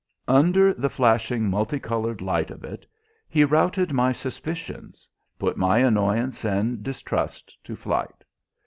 Under the flashing, multi coloured light of it, he routed my suspicions; put my annoyance and distrust to flight.